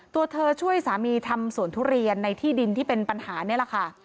ตัวเธอช่วยสามีทำสวนทุเรียนในที่ดินที่เป็นปัญหานี่แหละค่ะ